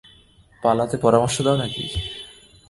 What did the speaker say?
পালাতে পরামর্শ দাও নাকি?